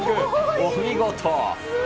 お見事。